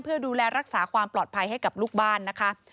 เพื่อดูแลรักษาความปลอดภัยให้กับลูกบ้านนะคะ